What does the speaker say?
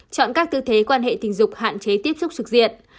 chọn các tư thế quan hệ tình dục hạn chế tiếp xúc trực diện